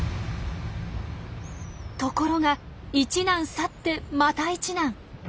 ところが一難去ってまた一難。